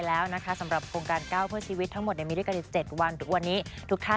แล้วก็ภูมิใจที่ได้เห็นคนไทยทุกคนได้ร่วมกันนะคะยังเปิดอยู่นะคะ